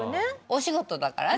お仕事だから。